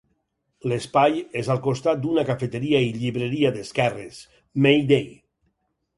L'espai és al costat d'una cafeteria i llibreria d'esquerres, May Day.